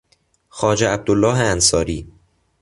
خواجه عبدالله انصاری